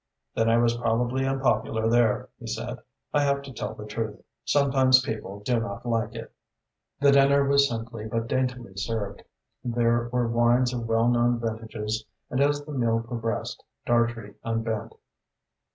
"Then I was probably unpopular there," he said. "I have to tell the truth. Sometimes people do not like it." The dinner was simply but daintily served. There were wines of well known vintages and as the meal progressed Dartrey unbent.